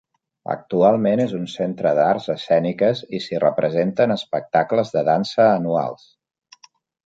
Actualment és un centre d'arts escèniques i s'hi representen espectacles de dansa anuals.